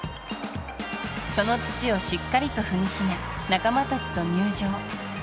その土をしっかりと踏みしめ仲間たちと入場。